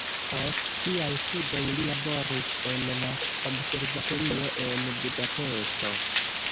Post siaj studoj li laboris en la observatorio en Budapeŝto.